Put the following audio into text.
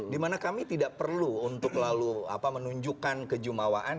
dimana kami tidak perlu untuk lalu menunjukkan kejumawaan